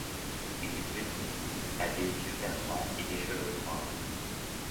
Il est petit, a des yeux perçants et des cheveux noirs.